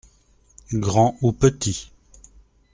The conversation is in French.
Grand ou petit.